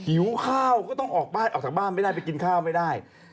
หิวข้าวก็ต้องออกบ้านออกจากบ้านไม่ได้ไปกินข้าวไม่ได้